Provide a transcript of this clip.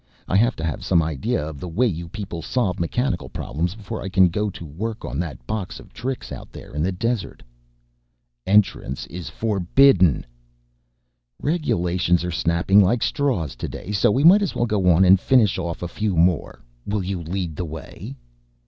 I have to have some idea of the way you people solve mechanical problems before I can go to work on that box of tricks out there in the desert." "Entrance is forbidden " "Regulations are snapping like straws today, so we might as well go on and finish off a few more. Will you lead the way?"